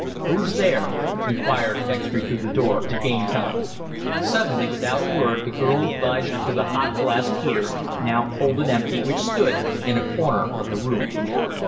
"Who's there?" inquired Dextry through the door, to gain time. Suddenly, without a word, the girl glided to the hot blast heater, now cold and empty, which stood in a corner of the room.